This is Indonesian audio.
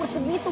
kau yang va